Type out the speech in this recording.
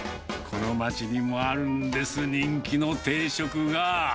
この町にもあるんです、人気の定食が。